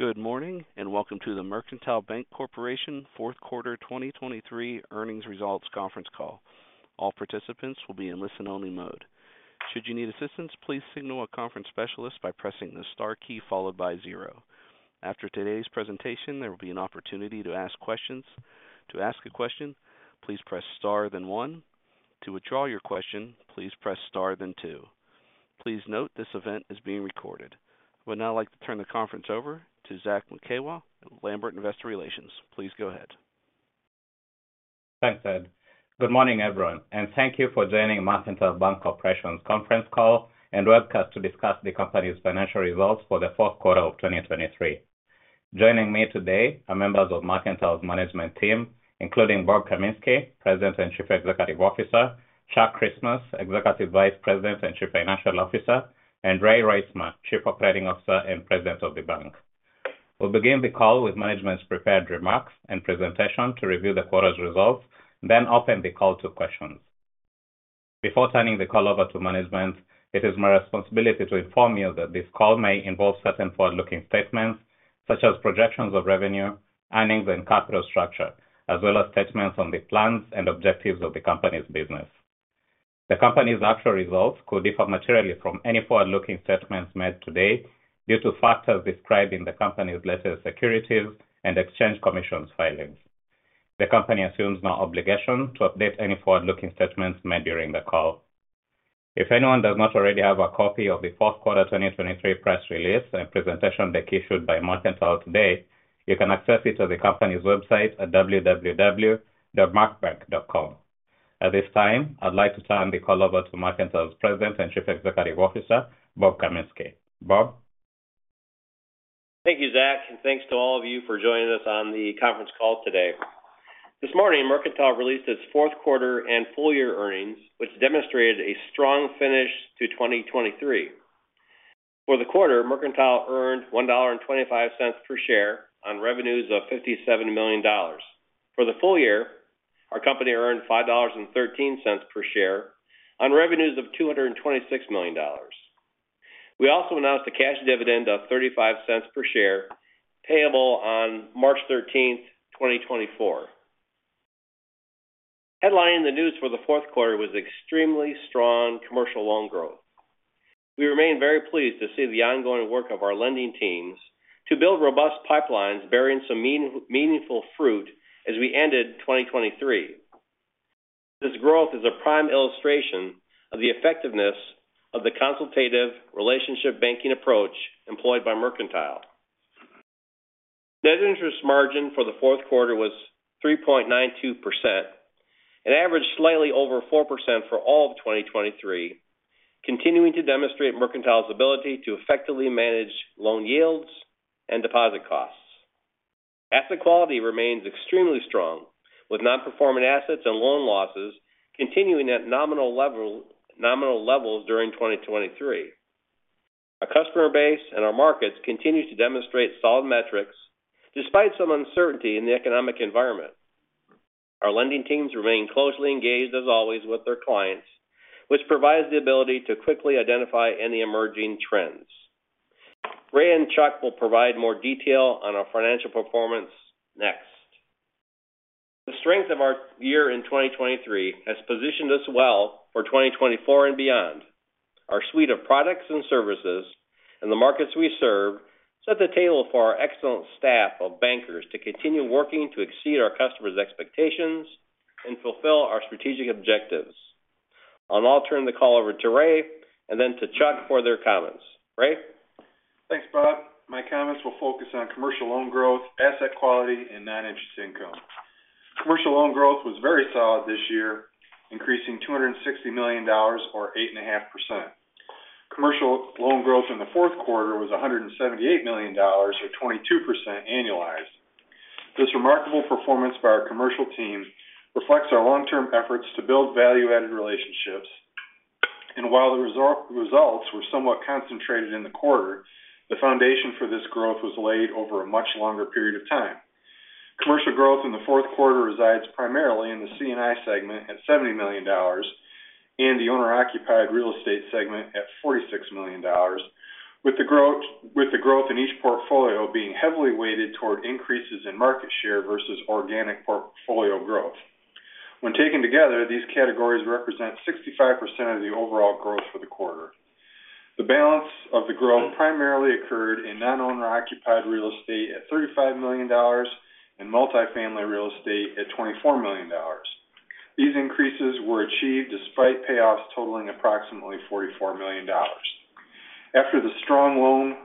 Good morning, and welcome to the Mercantile Bank Corporation Fourth Quarter 2023 Earnings Results Conference Call. All participants will be in listen-only mode. Should you need assistance, please signal a conference specialist by pressing the star key followed by zero. After today's presentation, there will be an opportunity to ask questions. To ask a question, please press star, then one. To withdraw your question, please press star, then two. Please note, this event is being recorded. I would now like to turn the conference over to Zack Mukewa, Lambert Investor Relations. Please go ahead. Thanks, Ed. Good morning, everyone, and thank you for joining Mercantile Bank Corporation's conference call and webcast to discuss the company's financial results for the fourth quarter of 2023. Joining me today are members of Mercantile's management team, including Bob Kaminski, President and Chief Executive Officer, Chuck Christmas, Executive Vice President and Chief Financial Officer, and Ray Reitsma, Chief Operating Officer and President of the bank. We'll begin the call with management's prepared remarks and presentation to review the quarter's results, then open the call to questions. Before turning the call over to management, it is my responsibility to inform you that this call may involve certain forward-looking statements such as projections of revenue, earnings, and capital structure, as well as statements on the plans and objectives of the company's business. The company's actual results could differ materially from any forward-looking statements made today due to factors described in the company's latest Securities and Exchange Commission's filings. The company assumes no obligation to update any forward-looking statements made during the call. If anyone does not already have a copy of the fourth quarter 2023 press release and presentation that is issued by Mercantile today, you can access it on the company's website at www.mercbank.com. At this time, I'd like to turn the call over to Mercantile's President and Chief Executive Officer, Bob Kaminski. Bob? Thank you, Zack, and thanks to all of you for joining us on the conference call today. This morning, Mercantile released its fourth quarter and full year earnings, which demonstrated a strong finish to 2023. For the quarter, Mercantile earned $1.25 per share on revenues of $57 million. For the full year, our company earned $5.13 per share on revenues of $226 million. We also announced a cash dividend of $0.35 per share, payable on March 13th, 2024. Headlining the news for the fourth quarter was extremely strong commercial loan growth. We remain very pleased to see the ongoing work of our lending teams to build robust pipelines bearing some meaningful fruit as we ended 2023. This growth is a prime illustration of the effectiveness of the consultative relationship banking approach employed by Mercantile. Net interest margin for the fourth quarter was 3.92% and averaged slightly over 4% for all of 2023, continuing to demonstrate Mercantile's ability to effectively manage loan yields and deposit costs. Asset quality remains extremely strong, with non-performing assets and loan losses continuing at nominal level, nominal levels during 2023. Our customer base and our markets continue to demonstrate solid metrics, despite some uncertainty in the economic environment. Our lending teams remain closely engaged, as always, with their clients, which provides the ability to quickly identify any emerging trends. Ray and Chuck will provide more detail on our financial performance next. The strength of our year in 2023 has positioned us well for 2024 and beyond. Our suite of products and services and the markets we serve set the table for our excellent staff of bankers to continue working to exceed our customers' expectations and fulfill our strategic objectives. I'll now turn the call over to Ray and then to Chuck for their comments. Ray? Thanks, Bob. My comments will focus on commercial loan growth, asset quality, and non-interest income. Commercial loan growth was very solid this year, increasing $260 million, or 8.5%. Commercial loan growth in the fourth quarter was $178 million, or 22% annualized. This remarkable performance by our commercial team reflects our long-term efforts to build value-added relationships, and while the results were somewhat concentrated in the quarter, the foundation for this growth was laid over a much longer period of time. Commercial growth in the fourth quarter resides primarily in the C&I segment at $70 million and the owner-occupied real estate segment at $46 million, with the growth in each portfolio being heavily weighted toward increases in market share versus organic portfolio growth. When taken together, these categories represent 65% of the overall growth for the quarter. The balance of the growth primarily occurred in non-owner occupied real estate at $35 million and multifamily real estate at $24 million. These increases were achieved despite payoffs totaling approximately $44 million. After the strong loan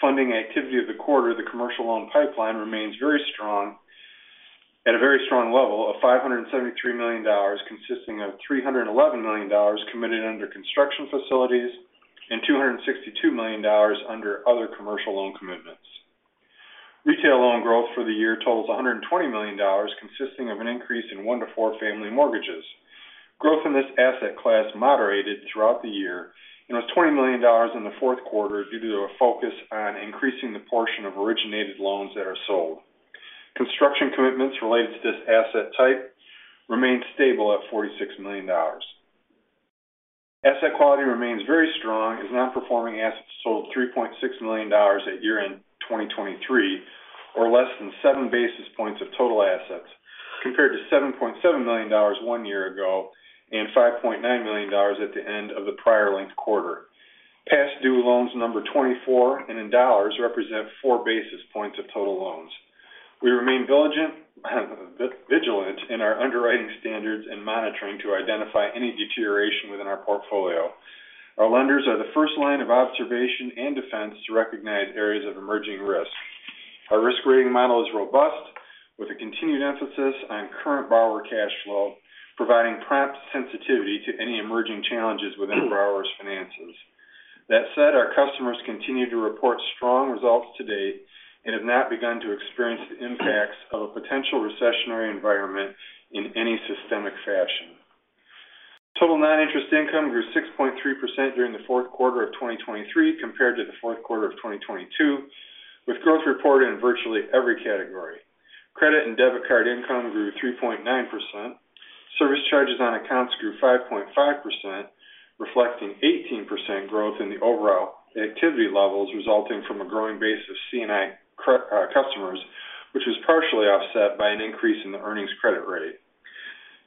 funding activity of the quarter, the commercial loan pipeline remains very strong, at a very strong level of $573 million, consisting of $311 million committed under construction facilities and $262 million under other commercial loan commitments. Retail loan growth for the year totals $120 million, consisting of an increase in 1-4 family mortgages. Growth in this asset class moderated throughout the year and was $20 million in the fourth quarter due to a focus on increasing the portion of originated loans that are sold. Construction commitments related to this asset type remained stable at $46 million. Asset quality remains very strong, as non-performing assets totaled $3.6 million at year-end 2023, or less than 7 basis points of total assets, compared to $7.7 million one year ago and $5.9 million at the end of the prior quarter. Past due loans number 24 and in dollars represent 4 basis points of total loans. We remain diligent, vigilant in our underwriting standards and monitoring to identify any deterioration within our portfolio. Our lenders are the first line of observation and defense to recognize areas of emerging risk. Our risk rating model is robust, with a continued emphasis on current borrower cash flow, providing prompt sensitivity to any emerging challenges within borrowers' finances. That said, our customers continue to report strong results to date and have not begun to experience the impacts of a potential recessionary environment in any systemic fashion. Total non-interest income grew 6.3% during the fourth quarter of 2023 compared to the fourth quarter of 2022, with growth reported in virtually every category. Credit and debit card income grew 3.9%. Service charges on accounts grew 5.5%, reflecting 18% growth in the overall activity levels, resulting from a growing base of C&I customers, which was partially offset by an increase in the earnings credit rate.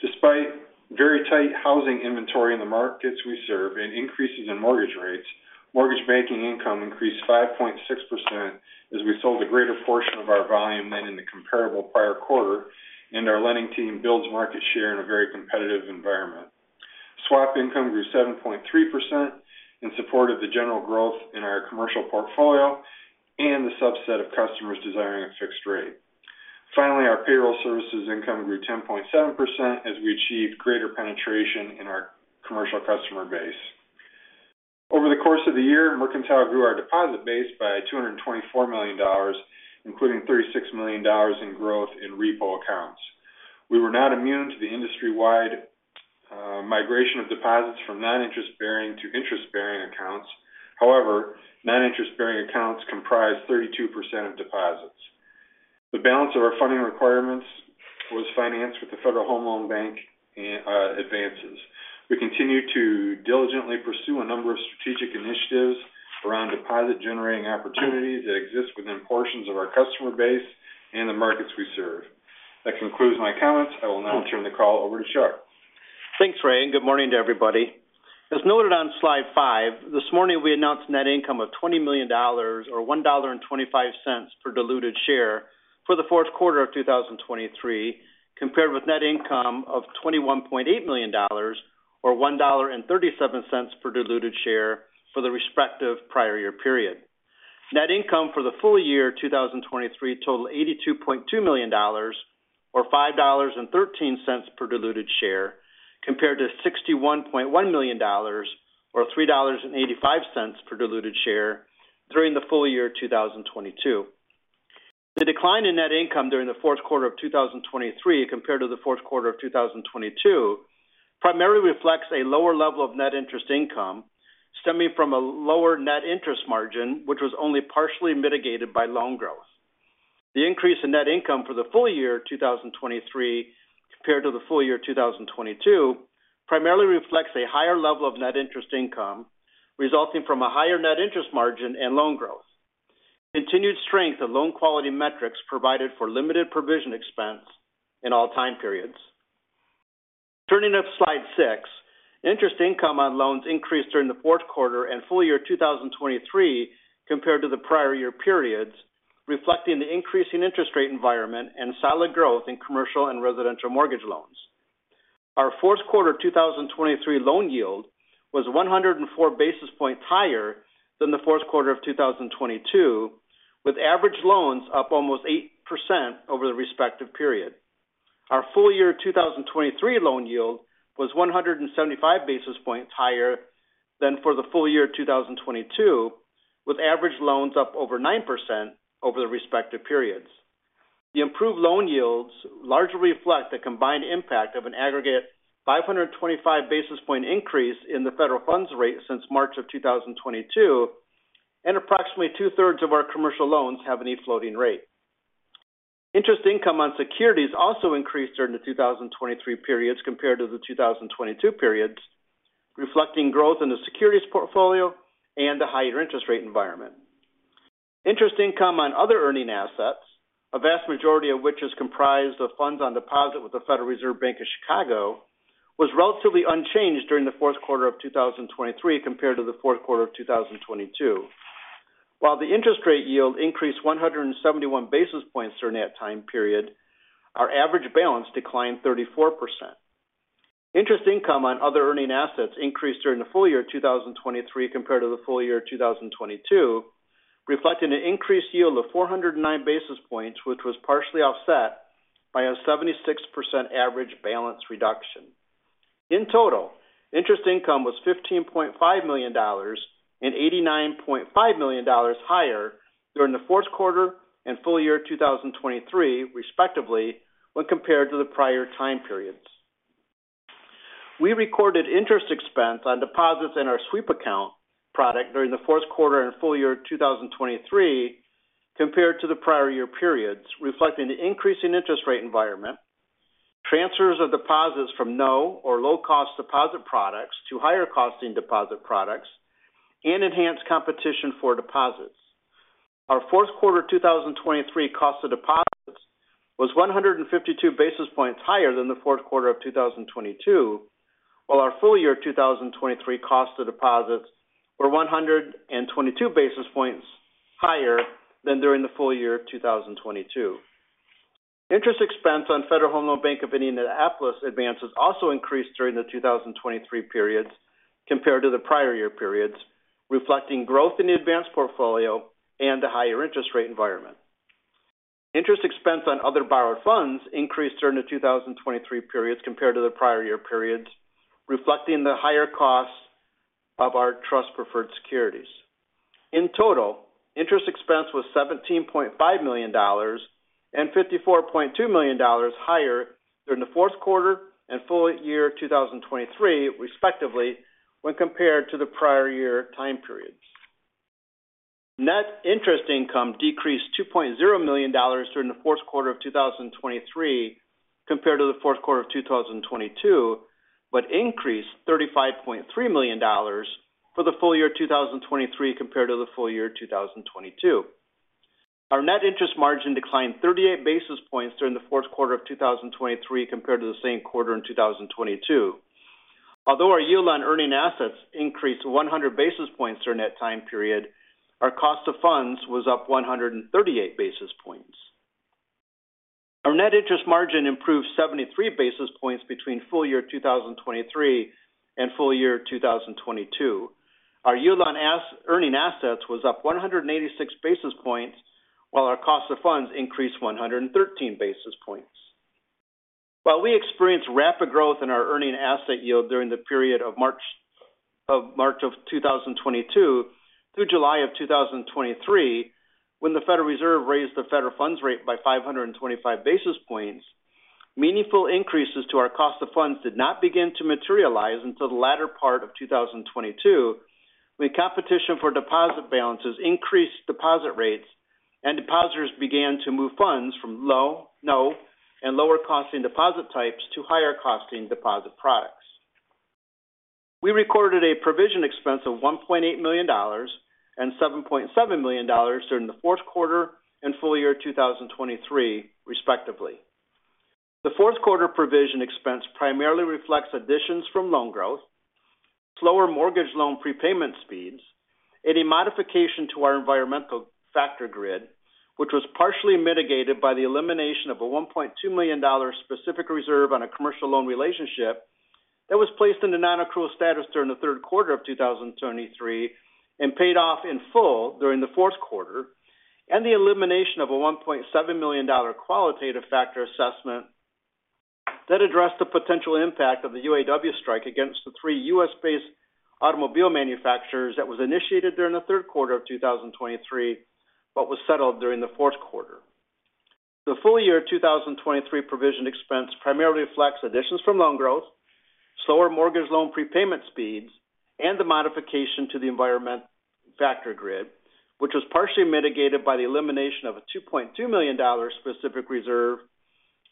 Despite very tight housing inventory in the markets we serve and increases in mortgage rates, mortgage banking income increased 5.6% as we sold a greater portion of our volume than in the comparable prior quarter, and our lending team builds market share in a very competitive environment. Swap income grew 7.3% in support of the general growth in our commercial portfolio and the subset of customers desiring a fixed rate. Finally, our payroll services income grew 10.7% as we achieved greater penetration in our commercial customer base. Over the course of the year, Mercantile grew our deposit base by $224 million, including $36 million in growth in repo accounts. We were not immune to the industry-wide migration of deposits from non-interest bearing to interest-bearing accounts. However, non-interest-bearing accounts comprise 32% of deposits. The balance of our funding requirements was financed with the Federal Home Loan Bank and advances. We continue to diligently pursue a number of strategic initiatives around deposit-generating opportunities that exist within portions of our customer base and the markets we serve. That concludes my comments. I will now turn the call over to Chuck. Thanks, Ray, and good morning to everybody. As noted on slide 5, this morning we announced net income of $20 million or $1.25 per diluted share for the fourth quarter of 2023, compared with net income of $21.8 million or $1.37 per diluted share for the respective prior year period. Net income for the full year 2023 totaled $82.2 million or $5.13 per diluted share, compared to $61.1 million or $3.85 per diluted share during the full year 2022. The decline in net income during the fourth quarter of 2023 compared to the fourth quarter of 2022, primarily reflects a lower level of net interest income, stemming from a lower net interest margin, which was only partially mitigated by loan growth. The increase in net income for the full year 2023 compared to the full year 2022, primarily reflects a higher level of net interest income, resulting from a higher net interest margin and loan growth. Continued strength of loan quality metrics provided for limited provision expense in all time periods. Turning to slide six, interest income on loans increased during the fourth quarter and full year 2023 compared to the prior year periods, reflecting the increasing interest rate environment and solid growth in commercial and residential mortgage loans. Our fourth quarter 2023 loan yield was 104 basis points higher than the fourth quarter of 2022, with average loans up almost 8% over the respective period. Our full year 2023 loan yield was 175 basis points higher than for the full year 2022, with average loans up over 9% over the respective periods. The improved loan yields largely reflect the combined impact of an aggregate 525 basis point increase in the federal funds rate since March of 2022, and approximately two-thirds of our commercial loans have a floating rate. Interest income on securities also increased during the 2023 periods compared to the 2022 periods, reflecting growth in the securities portfolio and the higher interest rate environment. Interest income on other earning assets, a vast majority of which is comprised of funds on deposit with the Federal Reserve Bank of Chicago, was relatively unchanged during the fourth quarter of 2023 compared to the fourth quarter of 2022. While the interest rate yield increased 171 basis points during that time period, our average balance declined 34%. Interest income on other earning assets increased during the full year 2023 compared to the full year 2022, reflecting an increased yield of 409 basis points, which was partially offset by a 76% average balance reduction. In total, interest income was $15.5 million and $89.5 million higher during the fourth quarter and full year 2023, respectively, when compared to the prior time periods. We recorded interest expense on deposits in our sweep account product during the fourth quarter and full year 2023, compared to the prior year periods, reflecting the increasing interest rate environment. Transfers of deposits from no or low cost deposit products to higher costing deposit products and enhanced competition for deposits. Our fourth quarter 2023 cost of deposits was 152 basis points higher than the fourth quarter of 2022, while our full year 2023 cost of deposits were 122 basis points higher than during the full year 2022. Interest expense on Federal Home Loan Bank of Indianapolis advances also increased during the 2023 periods compared to the prior year periods, reflecting growth in the advances portfolio and a higher interest rate environment. Interest expense on other borrowed funds increased during the 2023 periods compared to the prior year periods, reflecting the higher costs of our Trust Preferred Securities. In total, interest expense was $17.5 million and $54.2 million higher than the fourth quarter and full year 2023, respectively, when compared to the prior year time periods. Net interest income decreased $2.0 million during the fourth quarter of 2023 compared to the fourth quarter of 2022, but increased $35.3 million for the full year 2023 compared to the full year 2022. Our net interest margin declined 38 basis points during the fourth quarter of 2023 compared to the same quarter in 2022. Although our yield on earning assets increased 100 basis points during that time period, our cost of funds was up 138 basis points. Our net interest margin improved 73 basis points between full year 2023 and full year 2022. Our yield on earning assets was up 186 basis points, while our cost of funds increased 113 basis points. While we experienced rapid growth in our earning asset yield during the period of March of 2022 through July of 2023, when the Federal Reserve raised the federal funds rate by 525 basis points, meaningful increases to our cost of funds did not begin to materialize until the latter part of 2022, when competition for deposit balances increased deposit rates and depositors began to move funds from low, no and lower costing deposit types to higher costing deposit products. We recorded a provision expense of $1.8 million and $7.7 million during the fourth quarter and full year 2023, respectively. The fourth quarter provision expense primarily reflects additions from loan growth, slower mortgage loan prepayment speeds, and a modification to our environmental factor grid, which was partially mitigated by the elimination of a $1.2 million specific reserve on a commercial loan relationship that was placed in the non-accrual status during the third quarter of 2023 and paid off in full during the fourth quarter, and the elimination of a $1.7 million qualitative factor assessment that addressed the potential impact of the UAW strike against the three U.S.-based automobile manufacturers that was initiated during the third quarter of 2023, but was settled during the fourth quarter. The full year 2023 provision expense primarily reflects additions from loan growth, slower mortgage loan prepayment speeds, and the modification to the environmental factor grid, which was partially mitigated by the elimination of a $2.2 million specific reserve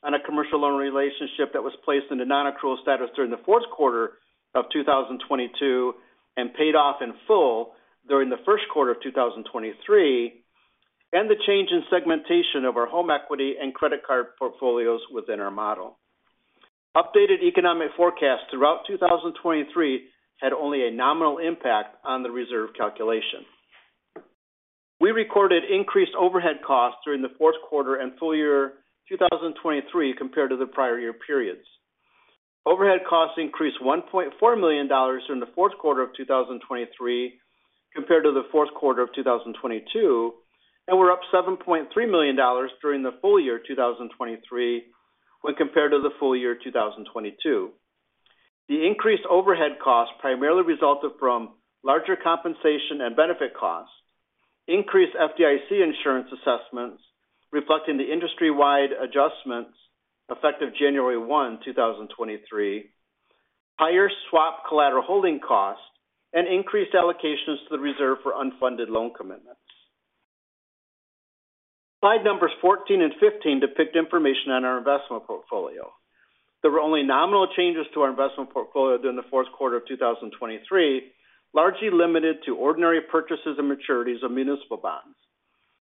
on a commercial loan relationship that was placed in a non-accrual status during the fourth quarter of 2022 and paid off in full during the first quarter of 2023, and the change in segmentation of our home equity and credit card portfolios within our model. Updated economic forecasts throughout 2023 had only a nominal impact on the reserve calculation. We recorded increased overhead costs during the fourth quarter and full year 2023 compared to the prior year periods. Overhead costs increased $1.4 million during the fourth quarter of 2023 compared to the fourth quarter of 2022, and were up $7.3 million during the full year 2023 when compared to the full year 2022. The increased overhead costs primarily resulted from larger compensation and benefit costs, increased FDIC insurance assessments reflecting the industry-wide adjustments effective January 1, 2023, higher swap collateral holding costs, and increased allocations to the reserve for unfunded loan commitments. Slide numbers 14 and 15 depict information on our investment portfolio. There were only nominal changes to our investment portfolio during the fourth quarter of 2023, largely limited to ordinary purchases and maturities of municipal bonds.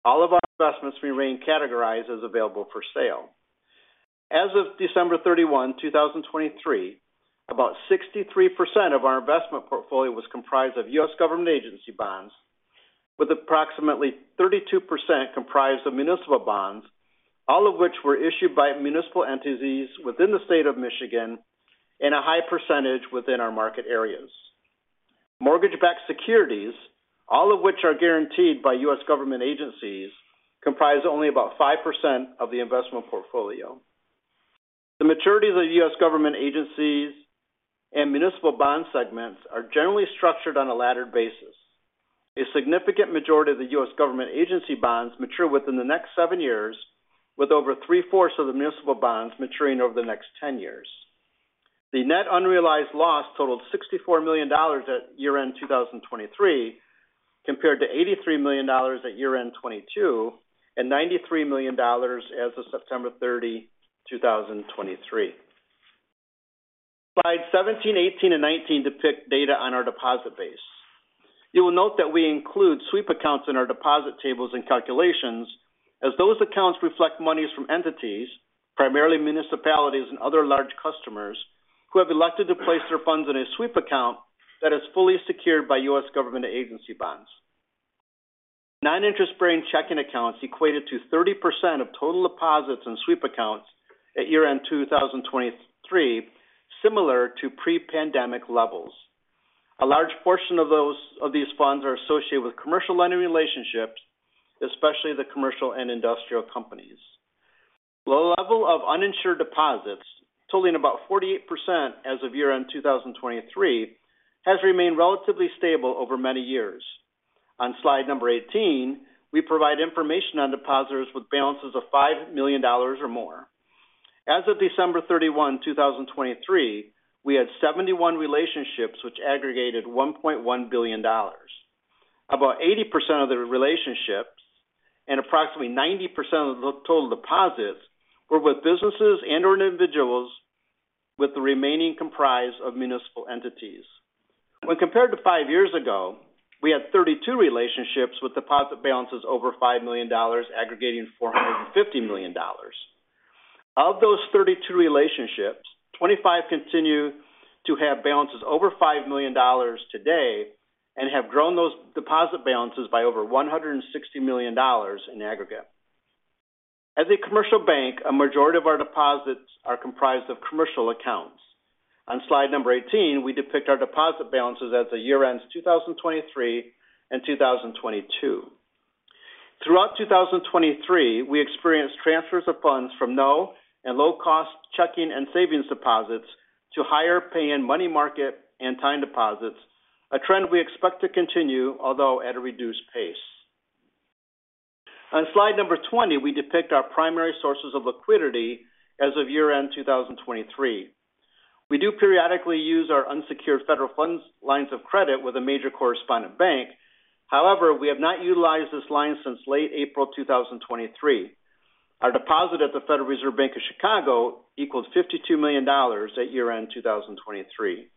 All of our investments remain categorized as available for sale. As of December 31, 2023, about 63% of our investment portfolio was comprised of U.S. government agency bonds, with approximately 32% comprised of municipal bonds, all of which were issued by municipal entities within the state of Michigan and a high percentage within our market areas. Mortgage-backed securities, all of which are guaranteed by U.S. government agencies, comprise only about 5% of the investment portfolio. The maturity of the U.S. government agencies and municipal bond segments are generally structured on a laddered basis. A significant majority of the U.S. government agency bonds mature within the next seven years, with over three-fourths of the municipal bonds maturing over the next 10 years. The net unrealized loss totaled $64 million at year-end 2023, compared to $83 million at year-end 2022, and $93 million as of September 30, 2023. Slide 17, 18, and 19 depict data on our deposit base. You will note that we include sweep accounts in our deposit tables and calculations, as those accounts reflect monies from entities, primarily municipalities and other large customers, who have elected to place their funds in a sweep account that is fully secured by U.S. government agency bonds. Non-interest bearing checking accounts equated to 30% of total deposits and sweep accounts at year-end 2023, similar to pre-pandemic levels. A large portion of these funds are associated with commercial lending relationships, especially the commercial and industrial companies. The level of uninsured deposits totaling about 48% as of year-end 2023 has remained relatively stable over many years. On slide number 18, we provide information on depositors with balances of $5 million or more. As of December 31, 2023, we had 71 relationships, which aggregated $1.1 billion. About 80% of the relationships and approximately 90% of the total deposits were with businesses and/or individuals, with the remaining comprised of municipal entities. When compared to five years ago, we had 32 relationships with deposit balances over $5 million, aggregating $450 million. Of those 32 relationships, 25 continue to have balances over $5 million today and have grown those deposit balances by over $160 million in aggregate. As a commercial bank, a majority of our deposits are comprised of commercial accounts. On slide 18, we depict our deposit balances at the year-ends 2023 and 2022. Throughout 2023, we experienced transfers of funds from no and low-cost checking and savings deposits to higher paying money market and time deposits, a trend we expect to continue, although at a reduced pace. On slide number 20, we depict our primary sources of liquidity as of year-end 2023. We do periodically use our unsecured federal funds lines of credit with a major correspondent bank. However, we have not utilized this line since late April 2023. Our deposit at the Federal Reserve Bank of Chicago equals $52 million at year-end 2023.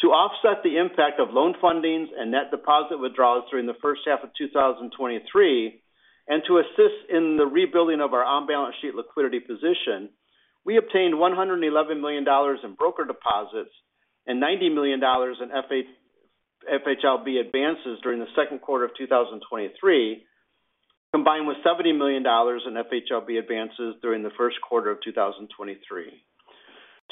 To offset the impact of loan fundings and net deposit withdrawals during the first half of 2023, and to assist in the rebuilding of our on-balance sheet liquidity position, we obtained $111 million in broker deposits and $90 million in FHLB advances during the second quarter of 2023, combined with $70 million in FHLB advances during the first quarter of 2023.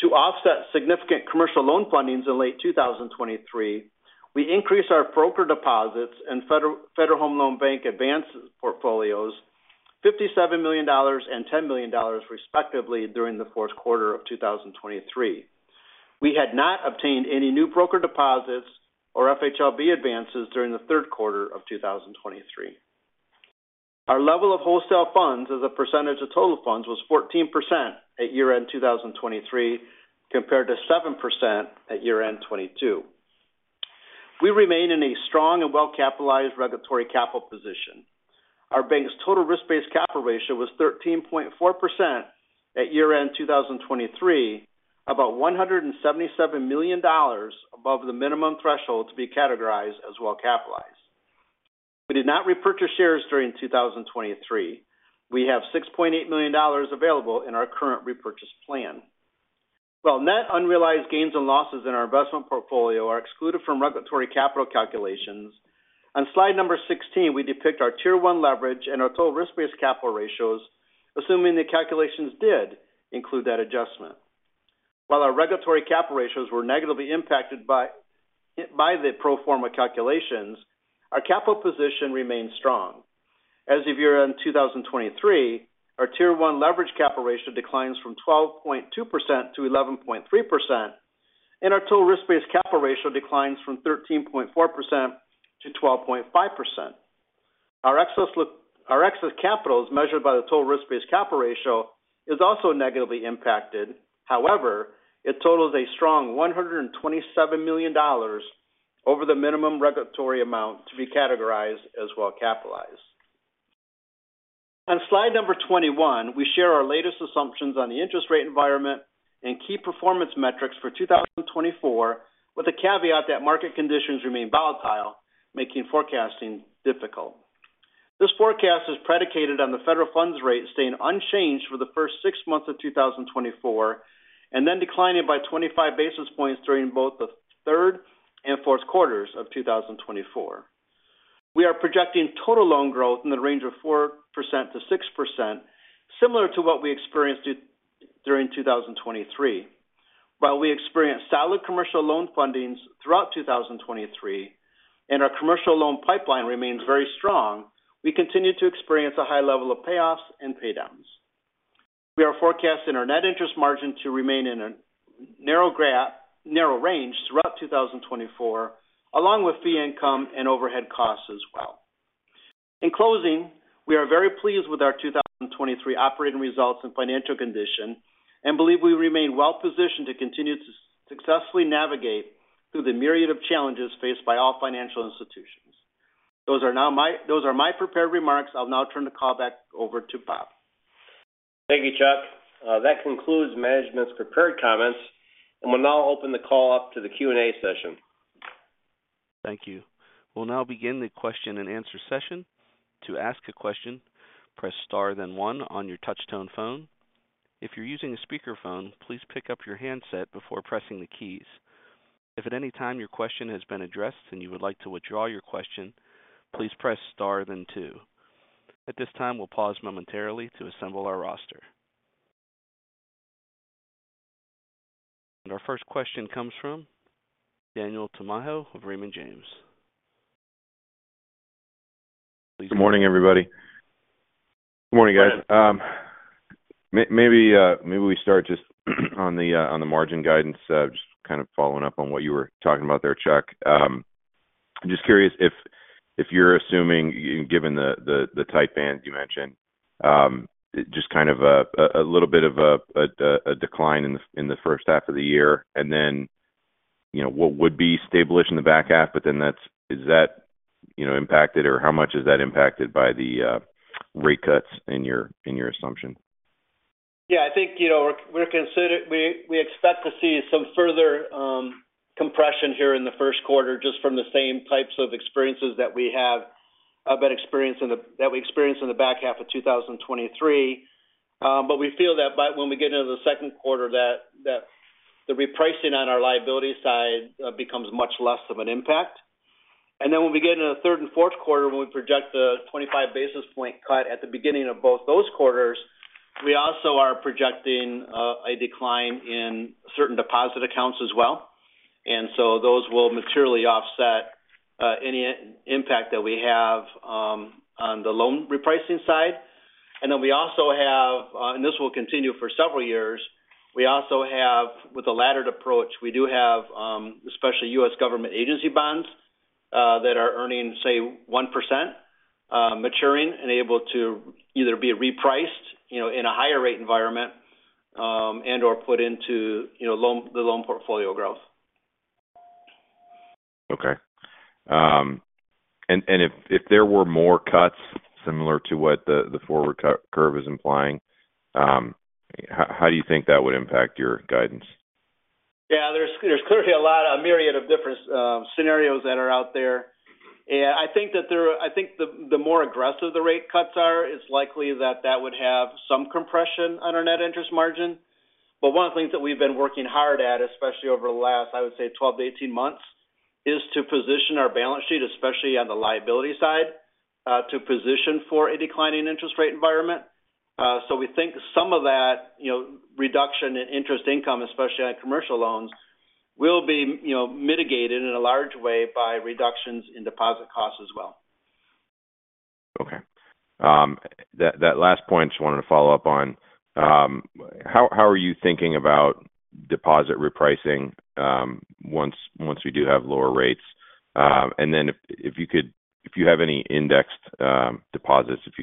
To offset significant commercial loan fundings in late 2023, we increased our broker deposits and Federal Home Loan Bank advance portfolios, $57 million and $10 million, respectively, during the fourth quarter of 2023. We had not obtained any new broker deposits or FHLB advances during the third quarter of 2023. Our level of wholesale funds as a percentage of total funds was 14% at year-end 2023, compared to 7% at year-end 2022. We remain in a strong and well-capitalized regulatory capital position. Our bank's total risk-based capital ratio was 13.4% at year-end 2023, about $177 million above the minimum threshold to be categorized as well-capitalized. We did not repurchase shares during 2023. We have $6.8 million available in our current repurchase plan. While net unrealized gains and losses in our investment portfolio are excluded from regulatory capital calculations, on slide 16, we depict our Tier 1 leverage and our total risk-based capital ratios, assuming the calculations did include that adjustment. While our regulatory capital ratios were negatively impacted by the pro forma calculations, our capital position remains strong. As of year-end 2023, our Tier 1 Leverage Capital Ratio declines from 12.2% to 11.3%, and our Total Risk-Based Capital Ratio declines from 13.4% to 12.5%. Our excess capital, as measured by the Total Risk-Based Capital Ratio, is also negatively impacted. However, it totals a strong $127 million over the minimum regulatory amount to be categorized as well-capitalized. On slide number 21, we share our latest assumptions on the interest rate environment and key performance metrics for 2024, with the caveat that market conditions remain volatile, making forecasting difficult. This forecast is predicated on the federal funds rate staying unchanged for the first six months of 2024, and then declining by 25 basis points during both the third and fourth quarters of 2024. We are projecting total loan growth in the range of 4%-6%, similar to what we experienced during 2023. While we experienced solid commercial loan fundings throughout 2023, and our commercial loan pipeline remains very strong, we continue to experience a high level of payoffs and paydowns. We are forecasting our net interest margin to remain in a narrow range throughout 2024, along with fee income and overhead costs as well... In closing, we are very pleased with our 2023 operating results and financial condition, and believe we remain well-positioned to continue to successfully navigate through the myriad of challenges faced by all financial institutions. Those are now my prepared remarks. I'll now turn the call back over to Bob. Thank you, Chuck. That concludes management's prepared comments, and we'll now open the call up to the Q&A session. Thank you. We'll now begin the question-and-answer session. To ask a question, press star, then one on your touchtone phone. If you're using a speakerphone, please pick up your handset before pressing the keys. If at any time your question has been addressed and you would like to withdraw your question, please press star then two. At this time, we'll pause momentarily to assemble our roster. Our first question comes from Daniel Tamayo of Raymond James. Good morning, everybody. Good morning, guys. Maybe we start just on the margin guidance. Just kind of following up on what you were talking about there, Chuck. I'm just curious if you're assuming, given the tight band you mentioned, just kind of a little bit of a decline in the first half of the year, and then, you know, what would be established in the back half, but then that's, is that, you know, impacted, or how much is that impacted by the rate cuts in your assumption? Yeah, I think, you know, we expect to see some further compression here in the first quarter, just from the same types of experiences that we have been experienced in the back half of 2023. But we feel that when we get into the second quarter, that the repricing on our liability side becomes much less of an impact. And then when we get into the third and fourth quarter, when we project a 25 basis point cut at the beginning of both those quarters, we also are projecting a decline in certain deposit accounts as well, and so those will materially offset any impact that we have on the loan repricing side. And then we also have, and this will continue for several years, we also have, with the laddered approach, we do have, especially U.S. government agency bonds, that are earning, say, 1%, maturing and able to either be repriced, you know, in a higher rate environment, and/or put into, you know, loan, the loan portfolio growth. Okay. And if there were more cuts similar to what the forward curve is implying, how do you think that would impact your guidance? Yeah, there's clearly a lot, a myriad of different scenarios that are out there. And I think the more aggressive the rate cuts are, it's likely that that would have some compression on our net interest margin. But one of the things that we've been working hard at, especially over the last, I would say, 12-18 months, is to position our balance sheet, especially on the liability side, to position for a declining interest rate environment. So we think some of that, you know, reduction in interest income, especially on commercial loans, will be, you know, mitigated in a large way by reductions in deposit costs as well. Okay. That last point, just wanted to follow up on. How are you thinking about deposit repricing, once we do have lower rates? And then if you could, if you have any indexed deposits, if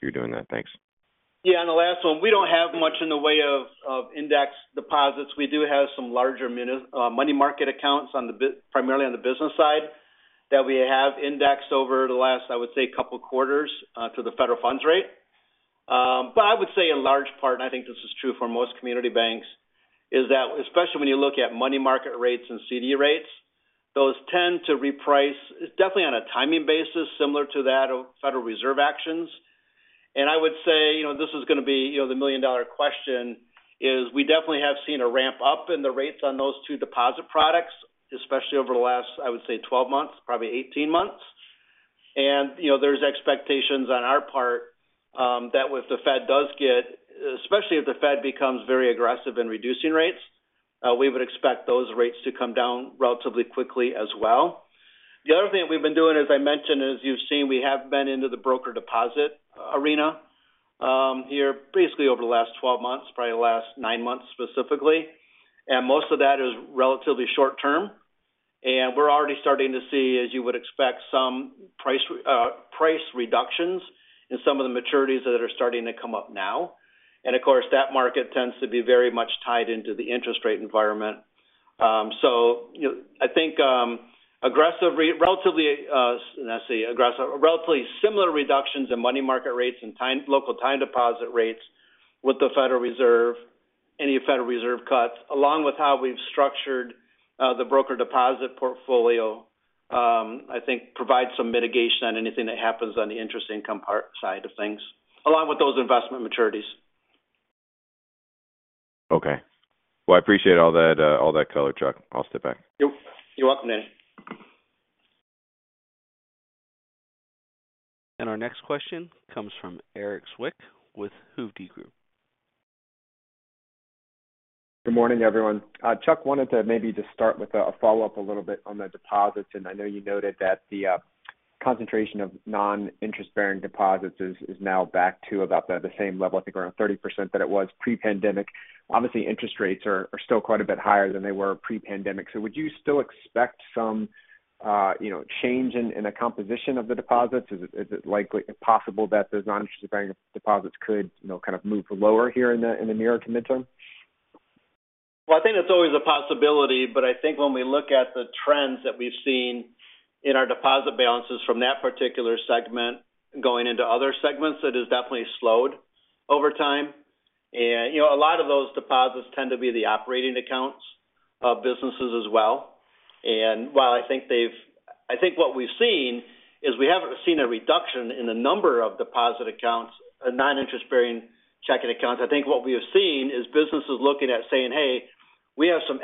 you're doing that. Thanks. Yeah, on the last one, we don't have much in the way of, of indexed deposits. We do have some larger money market accounts on the primarily on the business side, that we have indexed over the last, I would say, couple quarters, to the federal funds rate. But I would say in large part, and I think this is true for most community banks, is that especially when you look at money market rates and CD rates, those tend to reprice, definitely on a timing basis, similar to that of Federal Reserve actions. And I would say, you know, this is going to be, you know, the million-dollar question, is we definitely have seen a ramp-up in the rates on those two deposit products, especially over the last, I would say, 12 months, probably 18 months. You know, there's expectations on our part that if the Fed does get... Especially if the Fed becomes very aggressive in reducing rates, we would expect those rates to come down relatively quickly as well. The other thing that we've been doing, as I mentioned, as you've seen, we have been into the broker deposit arena here basically over the last 12 months, probably the last nine months specifically. And most of that is relatively short term. And we're already starting to see, as you would expect, some price reductions in some of the maturities that are starting to come up now. And of course, that market tends to be very much tied into the interest rate environment. So, you know, I think aggressive relatively similar reductions in money market rates and local time deposit rates with the Federal Reserve, any Federal Reserve cuts, along with how we've structured the broker deposit portfolio, I think provides some mitigation on anything that happens on the interest income part side of things, along with those investment maturities. Okay. Well, I appreciate all that, all that color, Chuck. I'll step back. Yep. You're welcome, Dan. Our next question comes from Erik Zwick with Hovde Group. Good morning, everyone. Chuck, wanted to maybe just start with a follow-up a little bit on the deposits, and I know you noted that the concentration of non-interest-bearing deposits is now back to about the same level, I think, around 30% that it was pre-pandemic. Obviously, interest rates are still quite a bit higher than they were pre-pandemic. So would you still expect some, you know, change in the composition of the deposits? Is it likely possible that those non-interest-bearing deposits could, you know, kind of move lower here in the near midterm? Well, I think that's always a possibility, but I think when we look at the trends that we've seen in our deposit balances from that particular segment going into other segments, it has definitely slowed over time. And, you know, a lot of those deposits tend to be the operating accounts of businesses as well. And while I think I think what we've seen is we haven't seen a reduction in the number of deposit accounts, non-interest-bearing checking accounts. I think what we have seen is businesses looking at saying, "Hey, we have some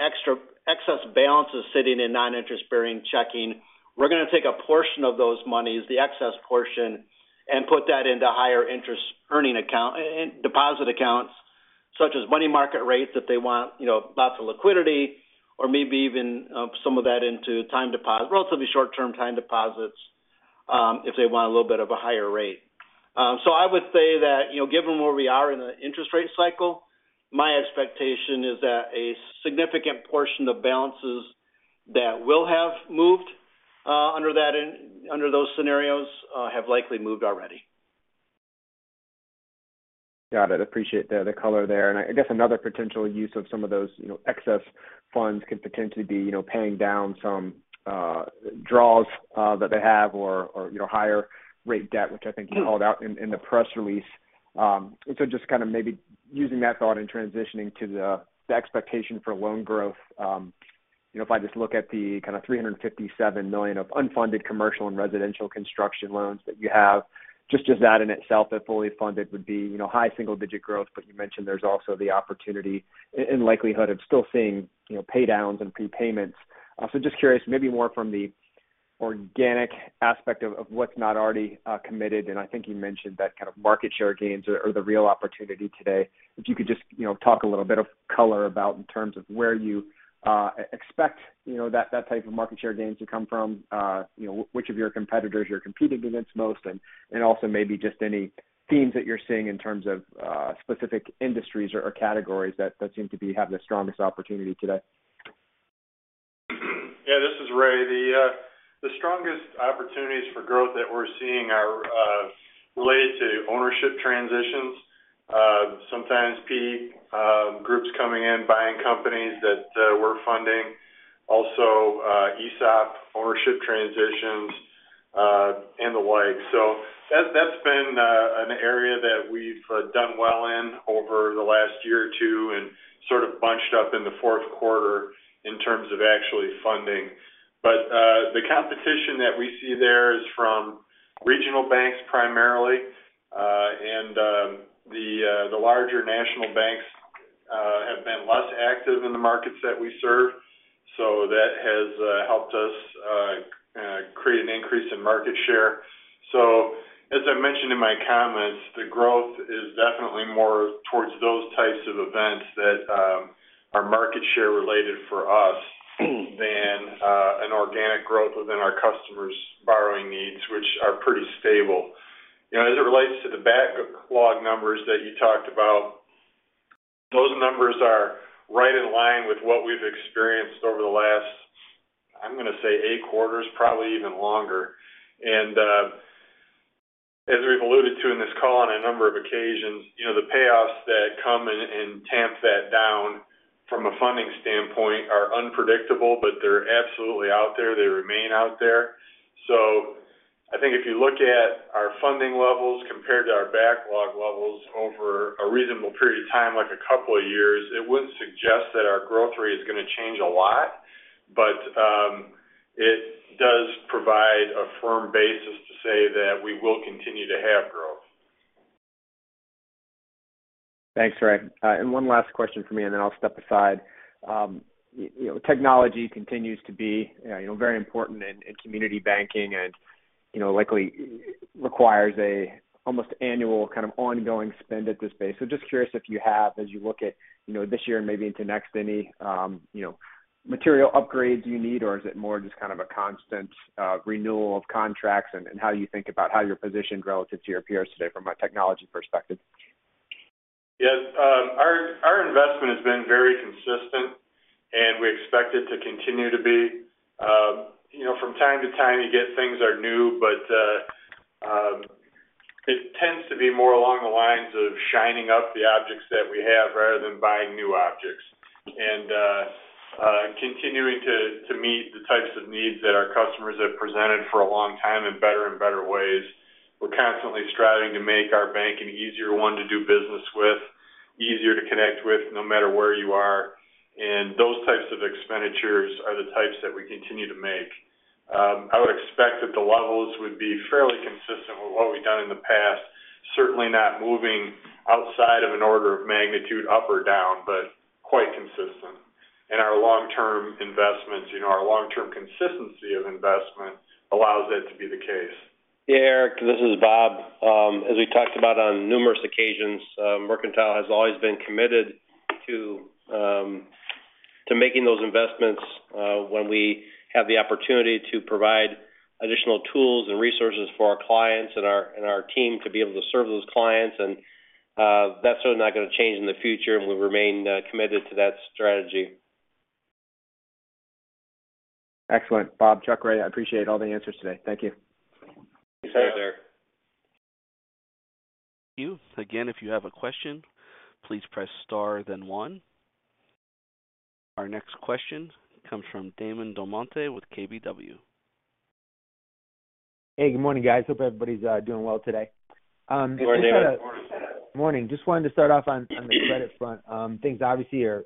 excess balances sitting in non-interest-bearing checking. We're gonna take a portion of those monies, the excess portion, and put that into higher interest earning account, in deposit accounts, such as money market rates, if they want, you know, lots of liquidity, or maybe even some of that into time deposit, relatively short-term time deposits, if they want a little bit of a higher rate. So I would say that, you know, given where we are in the interest rate cycle, my expectation is that a significant portion of balances that will have moved under those scenarios have likely moved already. Got it. Appreciate the color there. And I guess another potential use of some of those, you know, excess funds could potentially be, you know, paying down some draws that they have or, or, you know, higher rate debt, which I think you called out in the press release. So just kind of maybe using that thought and transitioning to the expectation for loan growth. You know, if I just look at the kind of $357 million of unfunded commercial and residential construction loans that you have, just that in itself, if fully funded, would be, you know, high single-digit growth. But you mentioned there's also the opportunity and likelihood of still seeing, you know, paydowns and prepayments. So just curious, maybe more from the organic aspect of what's not already committed, and I think you mentioned that kind of market share gains are the real opportunity today. If you could just, you know, talk a little bit of color about in terms of where you expect, you know, that type of market share gains to come from. You know, which of your competitors you're competing against most, and also maybe just any themes that you're seeing in terms of specific industries or categories that seem to be having the strongest opportunity today. Yeah, this is Ray. The strongest opportunities for growth that we're seeing are related to ownership transitions. Sometimes PE groups coming in, buying companies that we're funding, also ESOP ownership transitions, and the like. So that, that's been an area that we've done well in over the last year or two and sort of bunched up in the fourth quarter in terms of actually funding. But the competition that we see there is from regional banks primarily, and the larger national banks have been less active in the markets that we serve, so that has create an increase in market share. So as I mentioned in my comments, the growth is definitely more towards those types of events that are market share related for us, than an organic growth within our customers' borrowing needs, which are pretty stable. You know, as it relates to the backlog numbers that you talked about, those numbers are right in line with what we've experienced over the last, I'm gonna say, eight quarters, probably even longer. And as we've alluded to in this call on a number of occasions, you know, the payoffs that come and tamp that down from a funding standpoint are unpredictable, but they're absolutely out there. They remain out there. So I think if you look at our funding levels compared to our backlog levels over a reasonable period of time, like a couple of years, it wouldn't suggest that our growth rate is gonna change a lot, but it does provide a firm basis to say that we will continue to have growth. Thanks, Ray. And one last question for me, and then I'll step aside. You know, technology continues to be, you know, very important in in community banking and, you know, likely requires a almost annual kind of ongoing spend at this base. So just curious if you have, as you look at, you know, this year and maybe into next, any, you know, material upgrades you need, or is it more just kind of a constant, renewal of contracts and, and how you think about how you're positioned relative to your peers today from a technology perspective? Yes. Our investment has been very consistent, and we expect it to continue to be. You know, from time to time, you get things are new, but it tends to be more along the lines of shining up the objects that we have rather than buying new objects. And continuing to meet the types of needs that our customers have presented for a long time in better and better ways. We're constantly striving to make our bank an easier one to do business with, easier to connect with, no matter where you are, and those types of expenditures are the types that we continue to make. I would expect that the levels would be fairly consistent with what we've done in the past. Certainly not moving outside of an order of magnitude up or down, but quite consistent. and our long-term investments, you know, our long-term consistency of investment allows that to be the case. Yeah, Eric, this is Bob. As we talked about on numerous occasions, Mercantile has always been committed to making those investments when we have the opportunity to provide additional tools and resources for our clients and our team to be able to serve those clients. And that's certainly not going to change in the future. We remain committed to that strategy. Excellent, Bob, Chuck, Ray, I appreciate all the answers today. Thank you. Thank you. Thanks, Eric. Again, if you have a question, please press star, then one. Our next question comes from Damon DelMonte with KBW. Hey, good morning, guys. Hope everybody's doing well today. Good morning. Morning. Just wanted to start off on the credit front. Things obviously are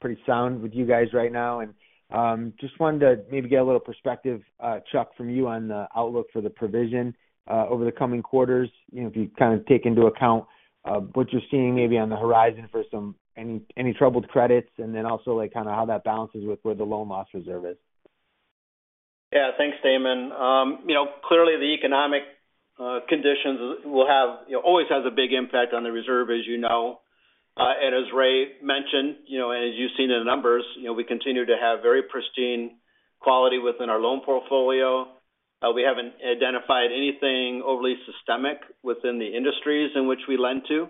pretty sound with you guys right now, and just wanted to maybe get a little perspective, Chuck, from you on the outlook for the provision over the coming quarters. You know, if you kind of take into account what you're seeing maybe on the horizon for any troubled credits, and then also, like, kind of how that balances with where the loan loss reserve is. Yeah, thanks, Damon. You know, clearly, the economic conditions you know, always has a big impact on the reserve, as you know. And as Ray mentioned, you know, and as you've seen in the numbers, you know, we continue to have very pristine quality within our loan portfolio. We haven't identified anything overly systemic within the industries in which we lend to.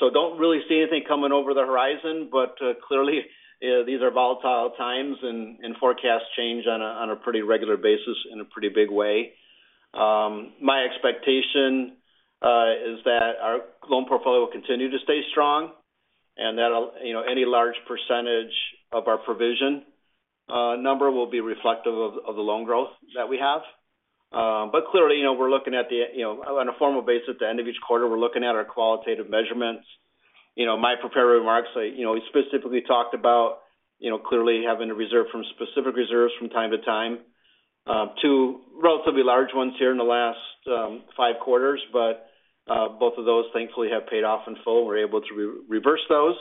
So don't really see anything coming over the horizon, but clearly these are volatile times and forecasts change on a pretty regular basis in a pretty big way. My expectation is that our loan portfolio will continue to stay strong and that'll you know, any large percentage of our provision number will be reflective of the loan growth that we have. But clearly, you know, we're looking at the, you know, on a formal basis, at the end of each quarter, we're looking at our qualitative measurements. You know, my prepared remarks, you know, we specifically talked about, you know, clearly having to reserve from specific reserves from time to time, two relatively large ones here in the last five quarters. But both of those, thankfully, have paid off in full. We're able to re-reverse those.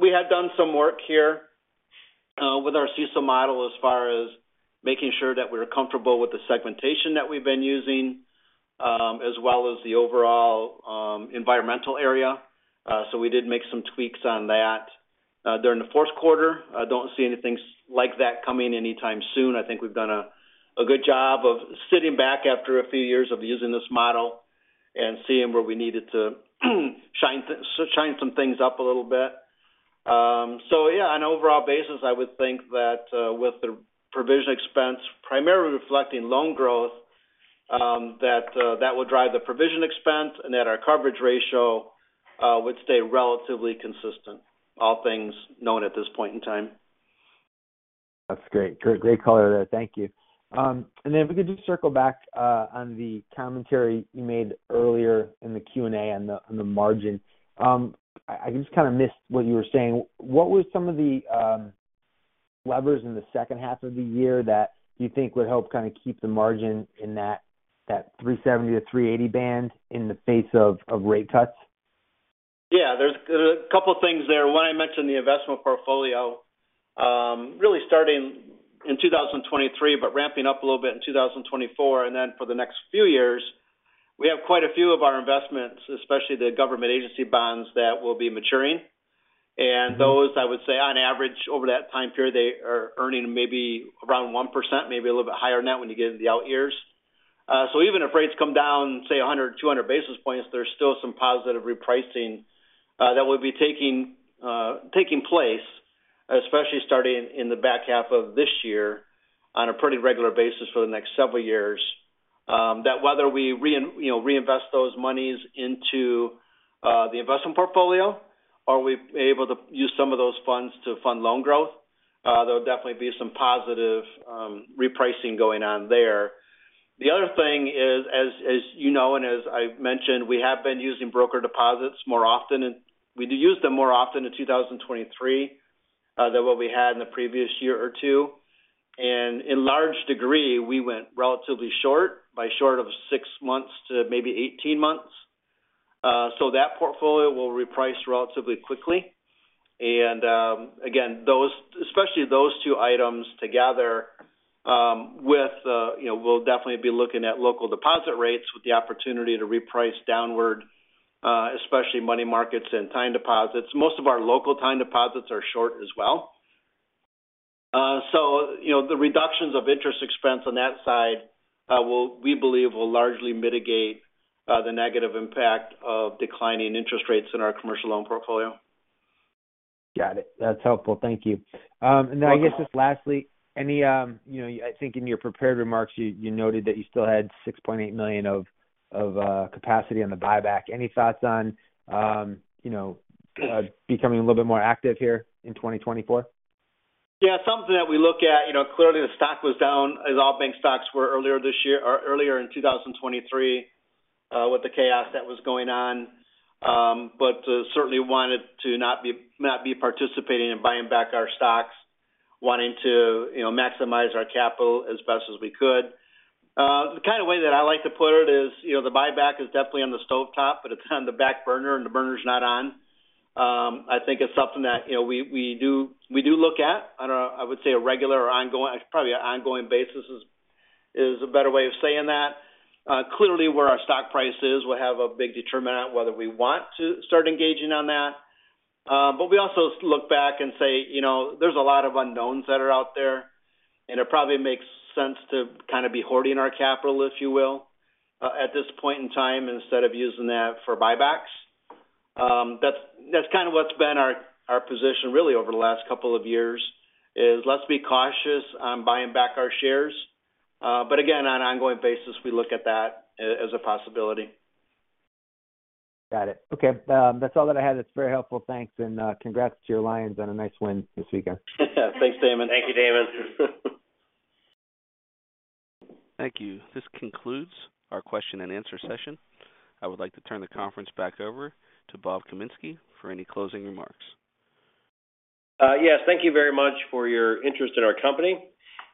We had done some work here with our CECL model, as far as making sure that we're comfortable with the segmentation that we've been using, as well as the overall environmental area. So we did make some tweaks on that during the fourth quarter. I don't see anything like that coming anytime soon. I think we've done a good job of sitting back after a few years of using this model and seeing where we needed to shine some things up a little bit. So yeah, on an overall basis, I would think that with the provision expense primarily reflecting loan growth, that that would drive the provision expense and that our coverage ratio would stay relatively consistent, all things known at this point in time. That's great. Great color there. Thank you. And then if we could just circle back on the commentary you made earlier in the Q&A on the margin. I just kind of missed what you were saying. What were some of the levers in the second half of the year that you think would help kind of keep the margin in that 3.70-3.80 band in the face of rate cuts? Yeah, there's a couple of things there. One, I mentioned the investment portfolio, really starting in 2023, but ramping up a little bit in 2024. And then for the next few years, we have quite a few of our investments, especially the government agency bonds, that will be maturing. Mm-hmm. Those, I would say on average, over that time period, they are earning maybe around 1%, maybe a little bit higher net when you get into the out years. So even if rates come down, say, 100-200 basis points, there's still some positive repricing that will be taking place, especially starting in the back half of this year, on a pretty regular basis for the next several years. That whether we—you know—reinvest those monies into the investment portfolio or we're able to use some of those funds to fund loan growth, there will definitely be some positive repricing going on there. The other thing is, as you know, and as I've mentioned, we have been using broker deposits more often, and we did use them more often in 2023 than what we had in the previous year or two. In large degree, we went relatively short, bought short of 6 months to maybe 18 months. So that portfolio will reprice relatively quickly. And again, those, especially those two items together, with you know, we'll definitely be looking at local deposit rates with the opportunity to reprice downward, especially money markets and time deposits. Most of our local time deposits are short as well. So you know, the reductions of interest expense on that side will, we believe, will largely mitigate the negative impact of declining interest rates in our commercial loan portfolio. Got it. That's helpful. Thank you. You're welcome. And then I guess just lastly, any, you know, I think in your prepared remarks, you noted that you still had $6.8 million of capacity on the buyback. Any thoughts on, you know, becoming a little bit more active here in 2024? Yeah, something that we look at, you know, clearly the stock was down, as all bank stocks were earlier this year or earlier in 2023, with the chaos that was going on. But certainly wanted to not be participating in buying back our stocks, wanting to, you know, maximize our capital as best as we could. The kind of way that I like to put it is, you know, the buyback is definitely on the stovetop, but it's on the back burner, and the burner's not on. I think it's something that, you know, we do look at on a—I would say, a regular or ongoing, probably an ongoing basis is a better way of saying that. Clearly, where our stock price is will have a big determinant on whether we want to start engaging on that. But we also look back and say, you know, there's a lot of unknowns that are out there, and it probably makes sense to kind of be hoarding our capital, if you will, at this point in time, instead of using that for buybacks. That's, that's kind of what's been our, our position really over the last couple of years, is let's be cautious on buying back our shares. But again, on an ongoing basis, we look at that as a possibility. Got it. Okay, that's all that I had. That's very helpful. Thanks, and congrats to your Lions on a nice win this weekend. Thanks, Damon. Thank you, Damon. Thank you. This concludes our question and answer session. I would like to turn the conference back over to Bob Kaminski for any closing remarks. Yes, thank you very much for your interest in our company.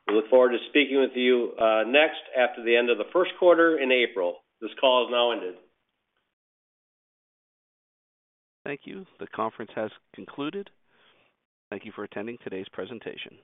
We look forward to speaking with you next after the end of the first quarter in April. This call has now ended. Thank you. The conference has concluded. Thank you for attending today's presentation.